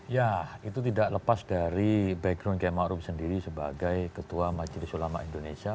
ya itu tidak lepas dari background km arief sendiri sebagai ketua majelis ulama indonesia